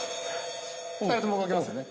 ２人とも動けますよね。